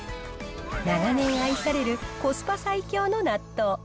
長年愛されるコスパ最強の納豆。